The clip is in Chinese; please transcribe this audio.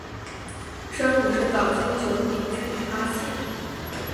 生母是岛津久丙之女阿幸。